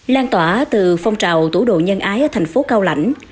lan tỏa từ phong trào tủ đồ nhân ái ở thành phố cao lãnh